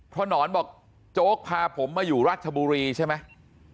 เพราะหนอนบอกโจ๊กพาผมมาอยู่ราชบุรีใช่ไหม